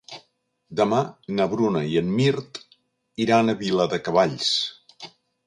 Demà na Bruna i en Mirt iran a Viladecavalls.